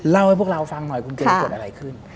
เล่าให้พวกเราฟังหน่อยคุณเกมเกิดอะไรขึ้น